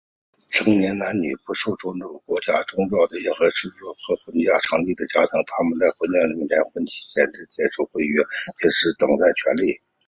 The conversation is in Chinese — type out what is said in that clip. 成年男女,不受种族、国籍或宗教的任何限制有权婚嫁和成立家庭。他们在婚姻方面,在结婚期间和在解除婚约时,应有平等的权利。